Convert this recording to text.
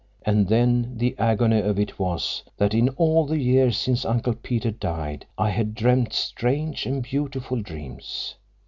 And the agony of it was that in all the years since Uncle Peter died I had dreamed strange and beautiful dreams.